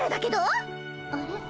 あれ？